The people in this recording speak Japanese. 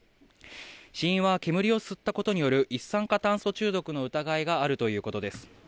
死因は煙を吸ったことによる一酸化炭素中毒の疑いがあるということです。